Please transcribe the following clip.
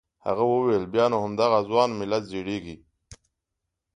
هغه وویل بیا نو همدغه ځوان ملت زړیږي.